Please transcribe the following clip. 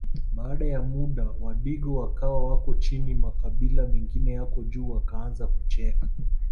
Baada ya muda wadigo wakawa wako chini makabila mengine yako juu Wakaanza kucheka